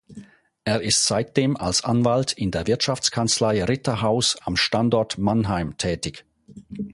Er ist seitdem als Anwalt in der Wirtschaftskanzlei Rittershaus am Standort Mannheim tätig.